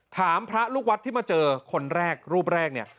พระลูกวัดที่มาเจอคนแรกรูปแรกเนี่ย